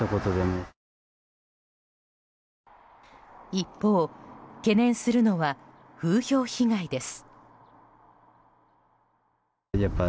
一方、懸念するのは風評被害です。